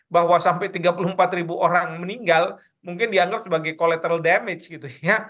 bahwa sampai tiga puluh empat ribu orang meninggal mungkin dianggap sebagai colleteral damage gitu ya